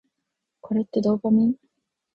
これってドーパミン？